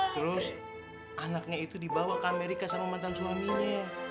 terus anaknya itu dibawa ke amerika sama mantan suaminya